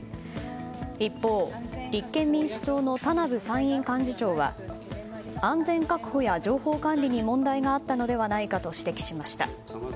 一方、立憲民主党の田名部参院幹事長は安全確保や情報管理に問題があったのではないかと指摘しました。